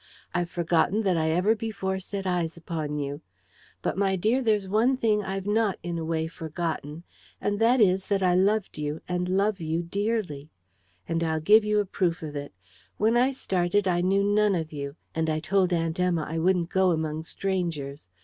I've forgotten that I ever before set eyes upon you. But, my dear, there's one thing I've NOT in a way forgotten; and that is, that I loved you and love you dearly. And I 'll give you a proof of it. When I started, I knew none of you; and I told Aunt Emma I wouldn't go among strangers.